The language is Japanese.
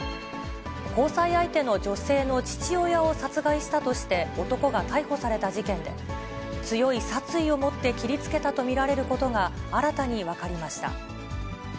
交際相手の女性の父親を殺害したとして、男が逮捕された事件で、強い殺意を持って切りつけたと見られることが新たに分かりました。